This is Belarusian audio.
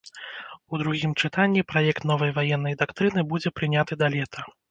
У другім чытанні праект новай ваеннай дактрыны будзе прыняты да лета.